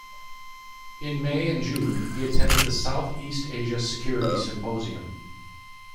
In May and June, he attended the South East Asia Security Symposium.